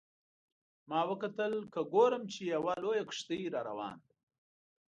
ما وکتل که ګورم چې یوه لویه کښتۍ را روانه ده.